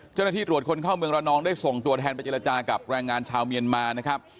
เจ้าหน้าที่ตรวจคนเข้าเมืองระนองได้ส่งตัวแทนไปเจรจากับแรงงานชาวเมียนมานะครับ